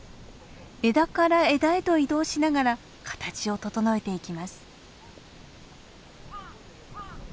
枝から枝へと移動しながら形を整えていきます。